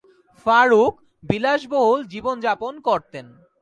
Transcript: ফারুক বিলাসবহুল জীবনযাপন করতেন।